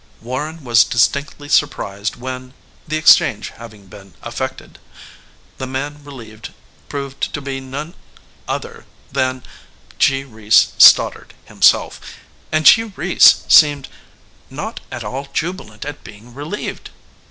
Warren was distinctly surprised when the exchange having been effected the man relieved proved to be none ether than G. Reece Stoddard himself. And G. Reece seemed not at all jubilant at being relieved.